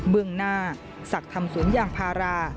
เบื้องหน้าศักดิ์ทำสวนยางพารา